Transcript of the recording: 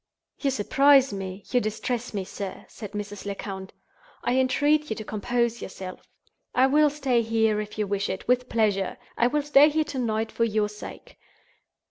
"You surprise me—you distress me, sir," said Mrs. Lecount. "I entreat you to compose yourself. I will stay here, if you wish it, with pleasure—I will stay here to night, for your sake.